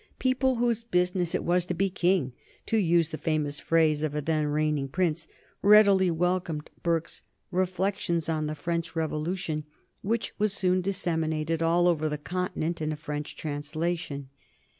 People whose business it was to be king, to use the famous phrase of a then reigning prince, readily welcomed Burke's "Reflexions on the French Revolution," which was soon disseminated all over the Continent in a French translation.